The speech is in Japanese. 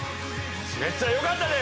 めちゃよかったで！